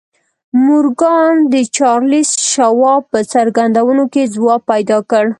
مورګان د چارليس شواب په څرګندونو کې ځواب پيدا کړ.